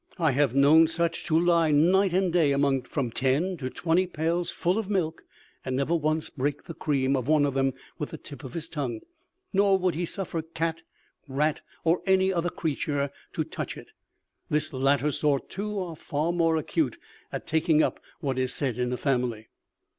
I have known such lie night and day among from ten to twenty pails full of milk, and never once break the cream of one of them with the tip of his tongue, nor would he suffer cat, rat, or any other creature to touch it. This latter sort, too, are far more acute at taking up what is said in a family.